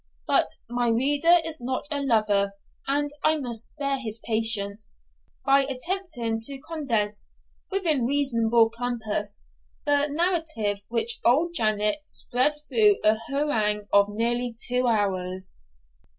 But my reader is not a lover and I must spare his patience, by attempting to condense within reasonable compass the narrative which old Janet spread through a harangue of nearly two hours.